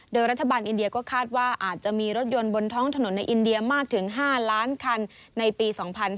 โดยรัฐบาลอินเดียก็คาดว่าอาจจะมีรถยนต์บนท้องถนนในอินเดียมากถึง๕ล้านคันในปี๒๕๕๙